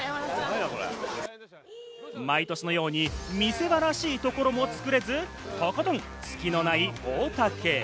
毎年のように、見せ場らしいところも作れず、とことんツキのない大竹。